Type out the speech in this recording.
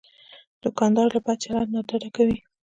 دوکاندار له بد چلند نه ډډه کوي.